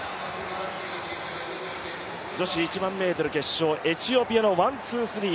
女子１００００ｍ決勝、エチオピアのワンツースリー。